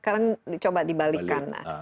sekarang dicoba dibalikan